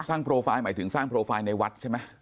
โปรไฟล์หมายถึงสร้างโปรไฟล์ในวัดใช่ไหม